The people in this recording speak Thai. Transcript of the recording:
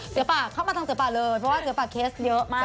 เสือป่าเข้ามาทางเสือป่าเลยเพราะว่าเสือป่าเคสเยอะมาก